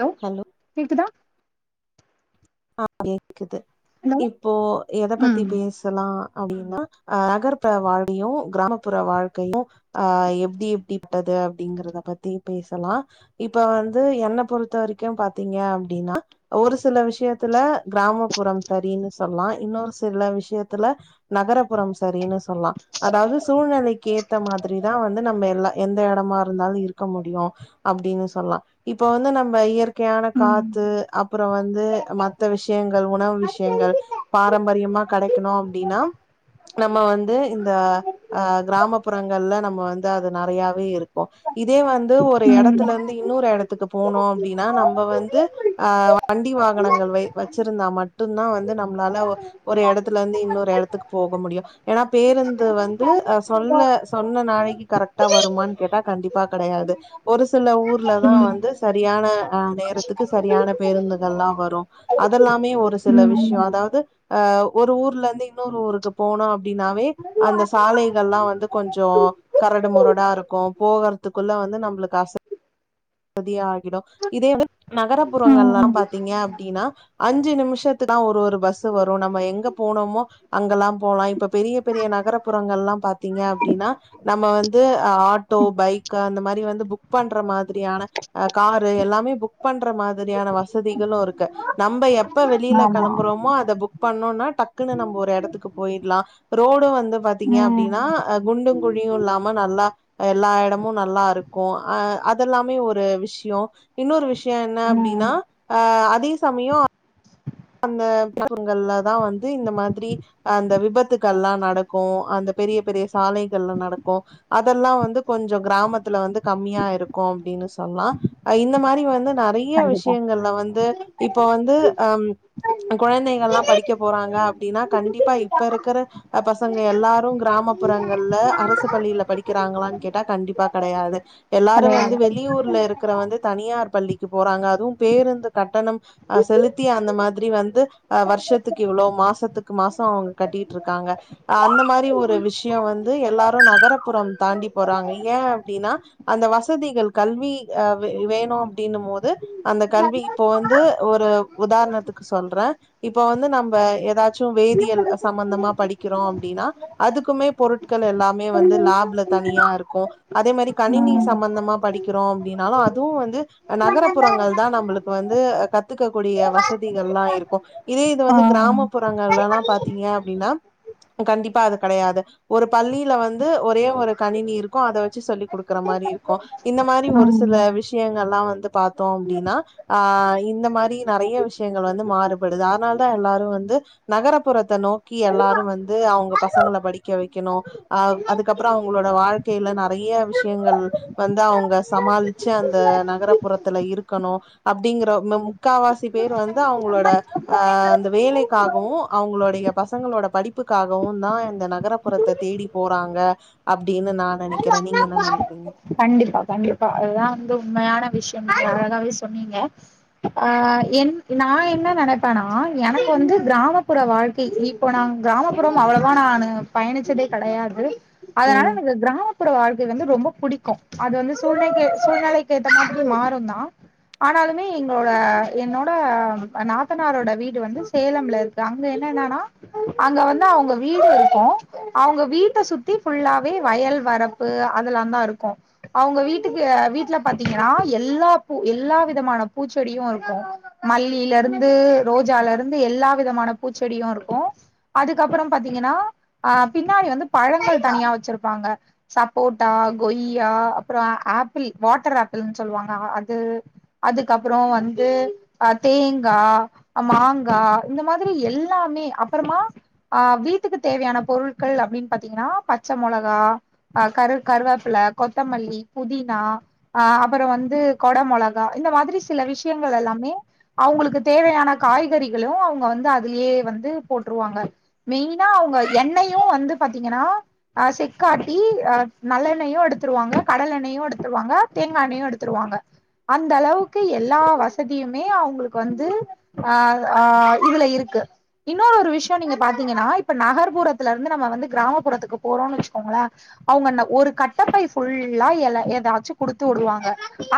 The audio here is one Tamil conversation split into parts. லோ ஹலோ கேக்குதா ஆ கே கிது ஹலோ இப்போ எத பத்தி ம் பேசலா அப்டினா அ அகர்ப்புற வாழ்க்கயு கிராமப்புற வாழ்க்கயு அ எப்டி எப்டி பட்டது அப்டிங்றத பத்தி பேசலா இப்ப வந்து என்ன பொறுத்த வரக்கு பாத்தீங்க அப்டினா ஒரு சில விஷ்யத் துல கிராமப்புறம் சரின்னு சொல்லா இன்னொரு சில விஷ்யத்துல நகர்புறம் சரின்னு சொல்லா அதாவ்து சூழ்நிலைக்கு ஏத்த மாதுரிதா வந்து நம்ம எல்லா எந்த எடமா இருந்தாலு இருக்க முடியு அப்டின்னு சொல்லா இப்ப வந்து நம்ப இயற் க்யான ம் ம் காத்து அப்புற வந்து மத் த விஷ்யங்க உணவு விஷயங்க பாரம்பரியமா கடைக்கணு அப்டின்னா நம்ம வந்து இந்த அ கிராமப்புறங்கள்ல நம்ம வந்து அது நறையாவே இருக்கு இதே வந்து ஒரு ம் எடத்துல இருந்து இன்னொரு எடத்துக்கு போணு டினா நம்ப வந்து அ வண்டி வாகனங்கள் வைத் வச்சிருந்தா மட்டும்தா வந்து நம்மளால ஒரு எடத்துல இருந்து இன்னொரு எடத்துக்கு போக முடியு ஏன்னா பேருந்து வந்து அ சொல்ல சொன்ன நாளக்கு கரெக்டா வருமான்னு கேட்டா கண்டிப்பா கடையாது ஒரு சில ஊர்லதா ம் வந்து சரியான அ நேரத்துக்கு சரியான பேருந்துகள்லா வரு அதல்லாமே ஒரு சில விஷ்யோ அதாவ்து அ ஒரு ஊர்ல இருந்து இன்னொரு ஊருக்கு போனு அ ப்டினாவே அந்த சாலைகள்லா வந்து கொஞ்சோ கரடு மொரடா இருக்கு போகற்துக்குள்ள வந்து நம்ப்ளுக் அசதியா இதே வந்து நகர புறங்கள்லா ம் பாத்தீங்க அப்டினா அஞ்சு நிமிஷத்துக்கு தா ஒரு ஒரு பஸ் வரு நம்ம எங்க போனோமோ அங்கலா போலா இப்ப பெரிய பெரிய நகரபுறங்கள்லா பாத்தீங்க அப்டின்னா நம்ம வந்து ஆட்டோ பைக் அந்த மாரி வந்து புக் பண்ற மாதுரியான அ காரு எல்லாமே புக் பண்ற மாதுரியான வசதிகளு இருக்கு நம்ப எப்ப வெளியில ஆமா களம்புறோமோ அத புக் பண்ணோன டக்குன்னு நம்ப ஒரு எடத்துக்கு போயிடலா ரோடு வந்து பாத்தீங்க ம் அப்டின்னா குண்டு குழியு இல்லாம நல்லா எல்லா எடமு நல்லா இருக் கோ அ அதல்லாமே ஒரு விஷ்யோ இன்னொரு விஷ் சியோ என்னா ம் அப்டினா அ சமயோ அந்த [unintelligible] ங்கள்லதா வந்து இந்த மாதிரி அஹ் அந்த விபத்துகள்லா நடக்கு அந்த பெரிய பெரிய சாலைகள்ல நடக்கு அதெல்லா வந்து கொஞ்சோ கிராமத்துல வந்து கம்மியா இருக்கு அப்டின்னு சொல்லா அஹ் இந்த மாரி வந்து நெறையா கண்டிப்பா விஷ்யங்கள்ல வந்து இப்போ வந்து அம் அஹ் கொழந்தைகள்லா படிக்க போறாங்க அப்டினா கண்டிப்பா இப்ப இருக்குற அஹ் பசங்க எல்லாரு கிராமப்புறங்கள்ல அரசு பள்ளியில படிக்கிறாங்களான் கேட்டா கண்டிப்பா கெடையாது எல்லாரு வந்து கதையாக வெளியூர்ல இருக்கிறவ வந்து தனியா யார் பள்ளிக்கு போறாங்க அதுவு பேருந்து கட்டணம் அஹ் செலுத்தி அந்த மாத் து அஹ் வர்ஷத்துக்கு இவ்ளோ மாசத்துக்கு மாச அவ்ங்க கட்டிட்டு இருக்காங்க அஹ் அந்த மாரி ஒரு விஷ்ய வந்து எல்லாரு நகரப்புறம் தாண்டி போறாங்க ஏ அப்டினா அந்த வசதிகள் கல்வி அஹ் வே வேணு அப்டின்னு மோது அந்த கல்வி இப்போ வந்து ஒரு உதார்ணத்துக் சொல்றே இப்ப வந்து நம்ப எதாச்சு வேதியல் சம்மந்தமா படிக்கிறோ அப்டினா அதுக்குமே பொருட்கள் எல்லாமே வந்து ம் லேப்ல தனியா இருக்கு அதே மாரி கணினி சம்மந்தமா படிக்கிறோ அப்டினாலு அதுவு வந்து அஹ் நகரப்புறங்கள் தா நம்பளுக்கு வந்து அஹ் கத்துக்கக்கூடிய வசத் திகள்லா இருக்கு இதே இது ஆ வந்து கிராமப்புறங்கள்லலா பாத்தீங்க அப்டினா கண்டிப்பா அது கெடையாது ஒரு பள்ளில வந்து ஒரே ஒரு கணினி இருக்கு அத வச்சு சொல்லி குடுக்குற மாரி இருக்கு இந்த மாரி ஒரு சில ம் விஷ்யங்கள்லா வந்து பாத்தோ அப்டினா ஆஹ் இந்த மாரி நெறையா விஷ்ய யங்கள் வந்து மாறுபடுது அதனால் தா எல்லாரு வந்து நகரப்புறத்த நோக்கி எல்லாரு வந்து அவ்ங்க பசங்கள படிக்க வைக்கணு அஹ் அதுக்கப்ற அவ்ங்களோட வாழ்க்கைல நெறையா விஷ்யங்கள் வந்து அவ்ங்க சமாளிச்சு அந்த நகரப்புறத்துல இருக்கணு அப்டிங்கிற மெம் முக்காவாசி பேரு வந் து அவ்ங்ளோட அஹ் அந்த வேலைக்காகவு அவ்ங்ளோடைய பசங்களோட படிப்புக்காகவுந் தா இந்த நகரப்புறத்த தேடி போறாங்க அப்டின்னு நா நெனைக்கிறே நீங்க என்ன நெனைக் கண்டிப்பா கண்டிப்பா அதுதா வந்து உண்மையான விஷ் யம் அழகாவே சொன்னீங்க ஆஹ் என் நா என்ன நெனப்பேனா எனக்கு வந்து கிராமப்புற வாழ்க்கை இப்போ நா கிராமப்புறம் அவளவா நானு பயணிச்சதே கெடையாது அதனால ம் எனக்கு கிராமப்புற வாழ்க்கை வந்து ரொம்ப பிடிக் க அது வந்து சூழ்நகே சூழ்நெலைக்கு ஏத்த மாதிரி மாறுந்தா ஆனாலுமே எங்ளோட என்னோட அஹ் நாத்தனாரோட வீடு வந்து சேலம்ல இருக்கு அங்க என்னனானா அங்க வந்து அவ்ங்க வீடு இருக்கு அவ்ங்க வீட்ட சுத்தி ஃபுல்லாவே வயல் வரப்பு அதெல்லாந்தா இருக் கு அவ்ங்க வீட்டுக்கு அஹ் வீட்ல பாத்தீங்கனா எல்லா பூ எல்லா விதமான பூச்செடியு இருக்கு மல்லில இருந்து ரோஜால இருந்து எல்லா விதமான பூச்செடியு இருக்கு அதுக்கப்பறம் பாத்தீங்கனா அஹ் பின்னாடி வந்து பழங்கள் தனியா வச்சிருப்பாங்க சப்போட்டா கொய்யா அப்ற ஆப்பிள் வாட்டர் ஆப்பிள்னு சொல்லுவாங்க அது அதுக்கப்ற வந்து அஹ் தேங்கா அஹ் மாங்கா இந்த மாதிரி எல்லாமே அப்பறமா ஆஹ் வீட்டுக்கு தேவையான பொருட்கள் அப்டின்னு பாத்தீங்கனா பச்ச மொளகா அஹ் கரு கருவப் பில கொத்தமல்லி புதினா ஆஹ் அப்பற வந்து கொட மொளகா இந்த மாதிரி சில விஷ்யங்கள் எல்லாமே அவ்ங்களுக்கு தேவையான காய்கறிகளு அவ்ங்க வந்து அதுலே வந்து போட்ருவாங்க மெய்னா அவ்ங்க எண்ணெய்யு வந்து பாத்தீங்கனா அஹ் செக்காட்டி அஹ் நல் லெண்ணெயு எடுத்துருவாங்க கடலெண்ணெயு எடுத்துருவாங்க தேங்கா எண்ணெய்யு எடுத்துருவாங்க அந்த அளவுக்கு எல்லா வசதியுமே அவ்ங்களுக்கு வந்து அஹ் ஆஹ் இதுல இருக்கு இன்னோ ஒரு விஷ்ய நீங்க பாத்தீங்கனா இப்ப நகர்புறத்துல இருந்து நம்ம வந்து கிராமப்புறத்துக்கு போறோனு வச்சுக்கோங்களே அவ்ங்கென்ன ஒரு கட் டப்பை ஃபுல்லா எல எதாச்சு குடுத்துவுடுவாங்க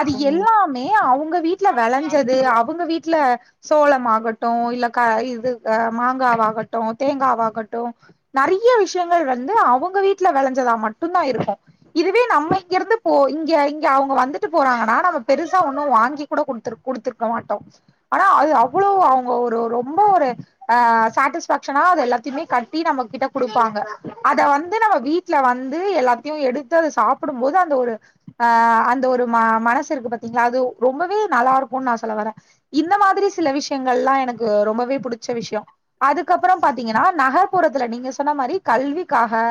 அது ம் எல்லாமே அவ்ங்க வீட் ட்ல வெளஞ்சது அவுங்க வீட்ல சோளமாகட்டு இல்ல க இது அஹ் மாங்காவாகட்டு தேங்காவாகட்டு நெறைய விஷ்யங்கள் வந்து அவ்ங்க வீட்ல வெளஞ்சதா மட்டுந்தா இருக்கு இதுவே நம்ம இங்கெருந்து போ இங்கெ இங்கெ அவ்ங்க வந்துட்டு போறாங்கனா நம்ம பெருசா ஒன்னு வாங்கி கூட குடுத்துர் குடுத்துருக்க மாட்டோ ஆனா அது அவ்ளோ அவ்ங்க ஒரு ரொம்ப ஒரு அஹ் சாட்டிஸ்ஃபேக்ஷனா அது எல்லாத்தைமே கட்டி நம்ம கிட்ட குடுப்பாங்க அத வந்து நம்ம வீட்ல வந்து எல்லா த்தியு எடுத்து அத சாப்புடும் போது அந்த ஒரு அஹ் அந்த ஒரு மா மனசுருக்கு பாத்தீங்ளா அது ரொம்பவே நல்லா இருக்குன் நா சொல்ல வரே இந்த மாதிரி சில விஷ்யங்கள்லா எனக்கு ரொம்பவே புடிச்ச விஷ்ய அதுக்கப்பற பாத்தீங்கனா நகர்புறத்துல நீங்க சொன்ன மாரி கல்விக்காக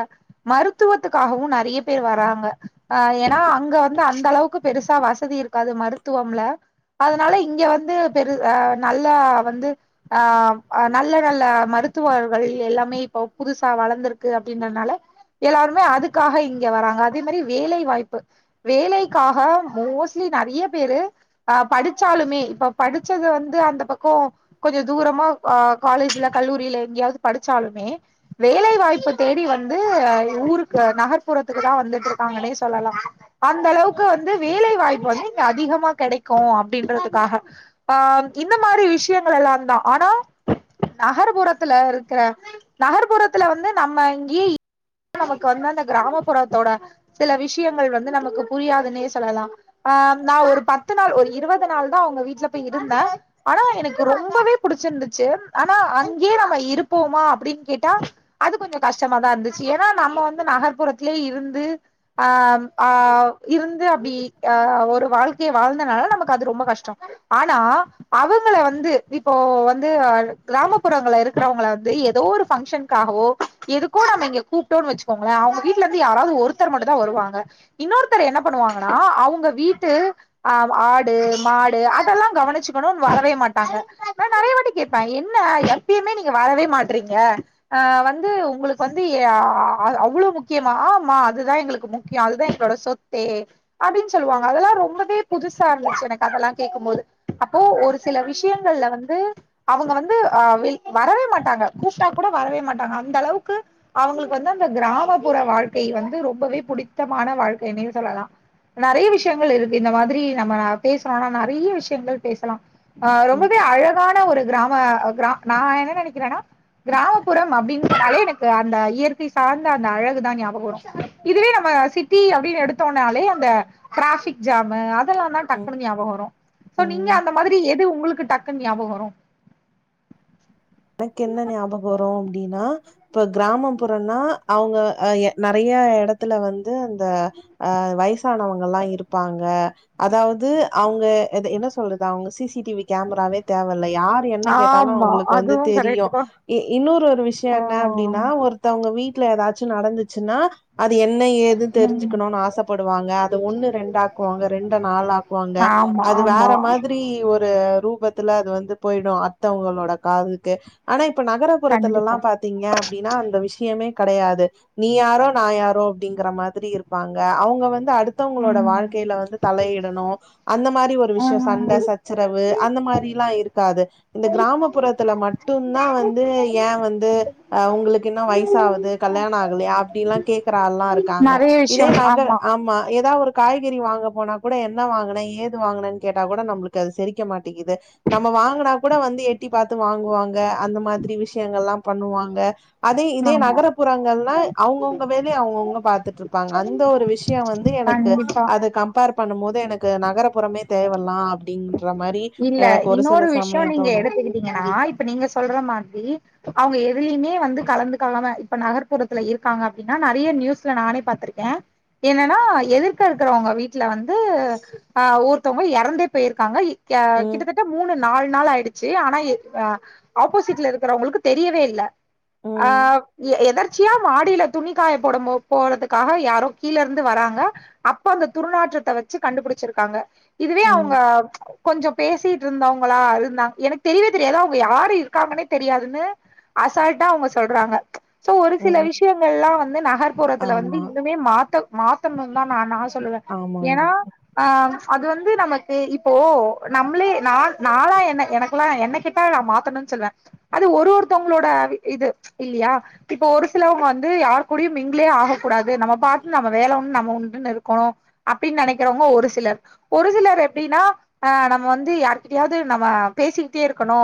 மருத்துவத்துக்காகவு நற் றைய பேர் வராங்க ஆஹ் ஏனா அங்க வந்து அந்த அளவுக்கு பெருசா வசதி இருக்காது மருத்துவம்ல அதனால இங்க வந்து பெரு அஹ் நல்லா வந்து ஆம் அஹ் நல்ல நல்ல மர் ருத்துவார்கள் எல்லாமே இப்ப புதுசா வளந்திருக்கு அப்டின்றனால எல்லாருமே அதுக்காக இங் ங்கெ வராங்க அதே மாரி வேலை வாய்ப்பு வேலைக்காக மோஸ்ட்லி நெறைய பேரு அஹ் படிச்சாலுமே இப்ப படிச்சது வந்து அந்த பக்கோ கொஞ்ச தூரமா அஹ் காலேஜுல கல்லூரில எங்கெயாவ்து படிச்சாலுமே வேலை வாய்ப்பு தேடி வந்து ஊருக்கு நகர்ப் புறத்துக்கு தா வந்துட்ருக்காங்கனே சொல்லலா அந்த அளவுக்கு வந்து வேலை வாய்ப்பு வந்து இங்க அதிகமா கெடைக்கு அப்டின்றத்துக்காக ஆஹ்ம் இந்த மாரி விஷ்யங்கள் எல்லாம் தா ஆனா நகர்புறத்துல இருக்கிற நகர்புறத்துல வந்து நம்ம இங்கேயே நமக்கு வந்து அந்தக் கிராமப்புறத்தோட சில விஷ்யங்கள் வந்து நமக்கு புரியாதுனே சொல்லலா ஆஹ் நா ஒரு பத்து நாள் ஒரு இருவது நாள் தா அவ்ங்க வீட்ல போய் இருந்தே ஆனா எனக்கு ரொம்பவே புடிச்சிருந்துச்சு ஆனா அங்கே நம்ம இருப்போமா அப்டின் கேட்டா அது கொஞ்ச கஷ்டமாதா இருந்துச்சு ஏனா நம்ம வந்து நகர் புறத்லே இருந்து ஆம் ஆஹ் இருந்து அப்டி அஹ் ஒரு வாழ்க்கைய வாழ்ந்தனால நமக்கு அது ரொம்ப கஷ்ட ஆனா அவுங்கள வந்து இப்போ வந்து ஆல் கிராமப்புறங்கள்ல இருக்கிறவ்ங்கள வந்து எதோ ஒரு பங்க்ஷன்க்காகவோ எதுக்கோ நம்ம இங்க கூப்ட்டோன் வச்சுக்கோங்ளே அவ்ங்க வீட் லருந்து யாராது ஒருத்தர் மட்டு தா வருவாங்க இன்னொருத்தர் என்ன பண்ணுவாங்கனா அவுங்க வீட்டு ஆஹ் ஆடு மாடு அதெல்லா கவனிச்சுக்கணுன் வரவே மாட்டாங்க நா நெறையவாட்டி கேட்பே என்ன எப்பைமே நீங்க வரவே மாட்டறீங்க அஹ் வந்து உங்களுக்கு வந்து எ ஆஹ் அவ்ளோ முக் கியமா ஆமா அதுதா எங்களுக்கு முக்கிய அதுதா எங்களோட சொத்தே அப்டின் சொல்லுவாங்க அதெல்லா ரொம்பவே புதுசா இருந்துச்சு எனக்கு அதெல்லா கேட்கும் போது அப்போ ஒரு சில விஷ்யங் கள்ல வந்து அவுங்க வந்து அஹ் வெ வரவே மாட்டாங்க கூப்டாக்கூட வரவே மாட்டாங்க அந்த அளவுக்கு அவ்ங்களுக்கு வந்து அந்த கிராமப் புற வாழ்க்கை வந்து ரொம்பவே புடித்தமான வாழ்க்கைனே சொல்லலா நெறைய விஷ்யங்கள் இருக்கு இந்த மாதிரி நம்மளா பேசுறோல நெறைய விஷ்யங்கள் பேசலா ஆஹ் ம் ரொம்பவே அழகான ஒரு கிராம அஹ் கிரா நா என்ன நெனைக்கிறேனா கிராமப்புறம் அப்டின் சொன்னாலே எனக்கு அந்த இயற்கை சார்ந்த அந்த அழ தான் ஞாபகவரு இதுவே நம்ம சிட்டி அப்படின்னு எடுத்தோம்னாலே அந்த டிராபிக் ஜாம்மு அது ல்லா தா ம் டக்குனு ஞாபகம்வரும் சோ நீங்க ம் அந்த மாரி எது உங்களுக் டக்குன்ன ஞாபகோ வரு எனக்கு என்ன ஞாபகோவருனா அப்படின்னா இப்ப கிராமப்புறோன்னா அவங்க நெறைய எடத்துல வந்து அந்த ஆ வயசானவங்கல்லா இருப்பாங்க அதாவது அவங்க என்ன சொல்றது அவங்க சிசிடிவி கேமராவே தேவையில் இல்லயார் என்ன கேட்டாலு ஆமா. உங்களுக்கு வந்து அதுவும் தெரியு கரெக்ட் தான். இன்னொரு ஒரு விஷயோ ஓ! என்ன அப்படின்னா ஒருத்தவங்க வீட் வீட்ல ஏதாச்சு நடந்துச்சுன்னா அது என்ன ஏதுன்னு ம். தெரிஞ்சுக்கணும்னு ஆசைப்படுவாங்க அது ஒண்ணு ரெண்டு ஆக்குவாங்க ரெண்டு நாள் ஆக்குவாங்க ஆமா, அது வேற ஆமா. மாதிரி ஒரு ஒரு ரூபத்துல அது வந்து போயிடு அத்தவங்களோட காது ஆனா இப்ப ப்ப நகரபுறத்துல எல்லா கண்டிப்பா. பாத்தீங்கனா அப்படின்னா அந்த விஷய யமே கெடையாது நீ யாரோ நா யாரோ அப்படிங்கிற மாரி இருப்பாங்க அவங்க வந் அடுத்தவங்களோட ம். வாழ்க்கையில வந்து தலையிடணு அந்த மாரி ஒரு விஷயோ சண்டே சச்சரவு அந்த மாரிலா இருக்காது இந்த கிராமப்புறத்தில மட்டு னா வந்து ஏ வந்து ஆ உங்களுக்கு இன்ன வயசாவது கல்யாணோ ஆகலையா அப்படின்னு எல்லா கேக்கர ஆளேள்ளா இருக்காங்க நெறைய இதே விஷயம் நகர் ஆமா எதோ ஒரு காய்கறி வாங்க போனா கூட என்ன வாங்கின ஏது வாங்குனா கேட்டா கூட நம்மளுக்கு அது சரிக்க மாட்டேக்குது நம்ம வாங்கினா கூட வந்து எட்டி பாத்து வாங்குவாங் கா அந்த மாதிரி விஷயங்கள் எல்லா பண்ணுவாங்க அதே இதே ஆமா நகர்புறங்கள்னா அவங்கவுங்க வேலைய அவங்கவுங்க பாத்துட்டு இருப்பாங்க அந்த ஒரு விஷயம் வந்து எனக்கு கண்டிப்பா அத கம்பேர் பண்ணும் போது எனக்கு நகர்புறமே தேவைலா அப்படின்னு இல்ல இன்னொரு விஷயம் நீங்க தோணு எடுத்துக்கிட்டீங்கன்னா இப்ப நீங்க சொ சொல்ற மாதிரி அவங்க எதுலயுமே வந்து கலந்து காலாம இப்ப நகர்ப்புறத்துல இருக்காங்க அப்படின்னா நறைய நியூஸ்ல நானே பாத்துருக்கே என்னன்னா எதிர்க இருக்கிறவங்க வீட்டுல வந்து ஆ ஒருத்தவங்க எறந்து போயிருக்காங்க கியா ம் கிட்டத்தட்ட மூணு நாலு நாள் ஆயிடுச் ச்சு ஆனா ஆ ஆப்போசிட்ல இருக்கிறவங்களுக்கு தெரியவே இல்ல ஆ ம் எதர்ச்சியா மாடியில துணிக்காய போட போறதுக்காக யாரோ கீழ இருந்து வராங்க அப்ப அந்த துருநாற்றத்தை வச்சு கண்டுபிடிச்சிருக்காங்க இதுவே அவங்க ம் கொஞ்சு பேசிட்டு இருந்தவங்களா அ இருந்தாங்க எனக்கு தெரியவை தெரியாது அவங்க யாரு இருக்காங்கன்னே தெரியாதுன்னு அசால்டா அவங்க சொல்றாங்க சோ ஒரு சில ம் விஷயங்கள் எல்லா வந்து நகர்ப்புறத்துல வந்து ஆமா இன்னுமே மாத்த மாத்தணுனுன் தா நா சொ சொல்லுவ ஆமாங்க ஏன்னா ஆ அது வந்து நமக்கு இப்போ நம்மளே நா எல்லா என்ன எனக்குல்லா என்ன கேட்டா நா மாத்தணுன்னு சொல்வே அது ஒரு ஒருத்தவங்களோட இது இல்லையா இப்ப ஒரு சிலவங்க வந்து யாரு கூடியும் மிங்கலே ஆக கூடாது நம்ம பார்த்து நம்ம வேலை ஒண்ணு நம்ம ஒண்டு இருக்கணும் அப்படின்னு நெனைக்கிறவங்க ஒரு சிலர் ஒரு சிலர் எப்படின்னா ஆ நம்ம வந்து யாருகிட்டயாவது நம்ம பேசிக்கிட்டே இருக்கணு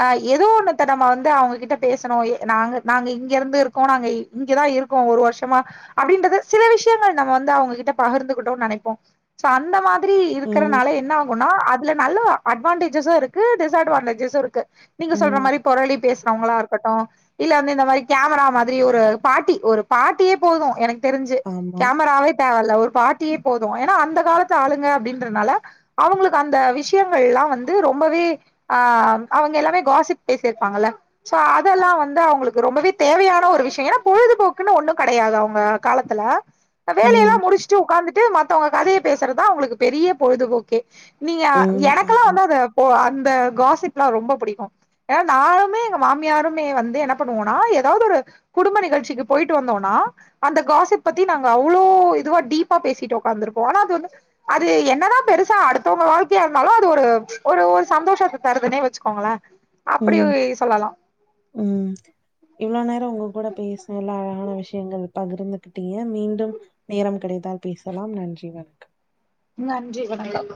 ஆ ஏதோ ஒண்ணுத்த நம்ம வந்து அவங்ககிட்ட பேசணு நாங்க நாங்க இங்க இருந்து இருக்கோ நாங்க இங்கதா இருக்கோ ஒரு வருஷமா அப்படின்றத சில விஷயங்கள் நம்ம வந்து அவங்ககிட்ட பகிர்ந்துகிட்டோம்னு நெனப்போ சோ அந்த மாரி திரி ம் இருக்கறனால என்ன ஆ அதுல நல்ல அட்வான்டேஜஸு இருக்கு டிஸ்அட்வான்டேஜஸு இருக்கு நீங்க சொல்ற ம் மாரி பொரளி பேசுறவங்களா இரு ட்டு இல்ல வந்து இந்த மாரி கேமரா மாதிரி ஒரு பாட்டி ஒரு பாட்டியே போதும் எனக்கு தெரிஞ்சு ஆமா கேமராவே தேவ இல்ல ஒரு பாட் டியே போது ஏன்னா அந்த காலத்து ஆளுங்க அப்படின்றதுனால அவங்களுக்கு அந்த விஷயங்கள் எல்லா வந்து ரொம்பவே ஆஹ் அவங்க எல்லாமே காசிப் பேசியிருப்பாங்கல்ல சோ அதெல்லா வந்து அவங்களுக்கு ரொம்பவே தேவையான ஒரு விஷயம் ஏன்னா பொழுதுபோக்குன்னு ஒண்ணும் கிடையாது அவங்க காலத்துல வேலையெல்லா ம் முடிச்சுட்டு உட்காந்துட்டு ட்டு மத்தவங்க கதையை பேசுறதுதான் அவங்களுக்கு பெரிய பொழுதுபோக்கே நீங்க ம் எனக்கெல்லா ஆமா வந்த அது போ அந்த காசிப்லாம் ரொம்ப பிடிக்கும் ஏன்னா நானுமே எங்க மாமியாருமே வந்து என்ன பண்ணுவோம்னா ஏதாவது ஒரு குடும்ப நிகழ்ச்சிக்கு போயிட்டு வந்தோம்னா அந்த காசிப் பத்தி நாங்க அவ்வளோ இதுவா டீப்பா பேசிட்டு உ்காந்துருக்கோம் ஆனா அது வந்து அது என்னன்னா பெருசா அடுத் தவங்க வாழ்க்கையா இருந்தாலும் அது ஒரு ஒரு ஒரு சந்தோஷத்தை தருதுனே வச்சுக்கோங்களேன் உம் உம் இவ்ளோ நேரம் உங்க கூட பேசுனேன்ல அழகான விஷயம் நீங்கள் பகிர்ந்துகிட்டீங்க மீண்டும் நேரம் கிடைத்தால் பேசலாம் நன்றி வணக்கம். நன்றி வணக்கம்